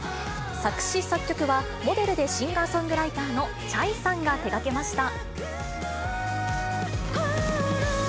作詞作曲は、モデルでシンガーソングライターのチャイさんが手がけました。